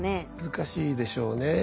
難しいでしょうね。